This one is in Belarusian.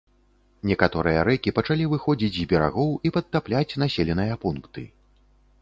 Некаторыя рэкі пачалі выходзіць з берагоў і падтапляць населеныя пункты.